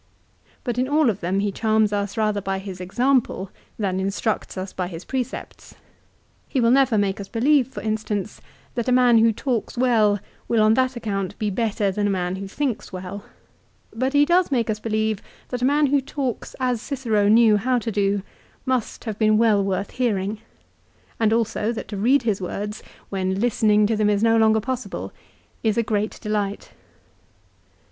" But in all of them he charms us rather by his example than instructs us by his precepts. He will never make us believe, for instance, that a man who talks well will on that account be better than a man who thinks well ; but he does make us believe that a man who talks as Cicero knew how to do, must have been well worth hearing, and also that to read his words, when listening to them is no longer possible, is a great delight.